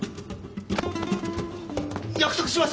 約束します！